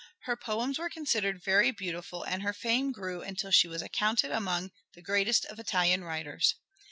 Her poems were considered very beautiful and her fame grew until she was accounted among the greatest of Italian writers.